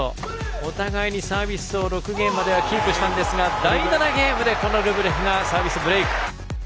お互いにサービスを６ゲームまでキープしたんですが第７ゲームでルブレフがサービスブレーク。